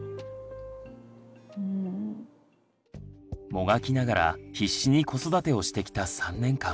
もがきながら必死に子育てをしてきた３年間。